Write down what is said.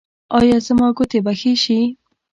ایا زما ګوتې به ښې شي؟